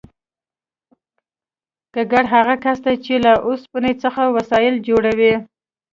ګګر هغه کس دی چې له اوسپنې څخه وسایل جوړوي